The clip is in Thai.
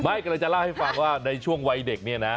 กำลังจะเล่าให้ฟังว่าในช่วงวัยเด็กเนี่ยนะ